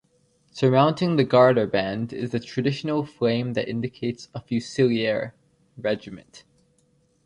Surmounting the garter band is the traditional flame that indicates a fusilier regiment.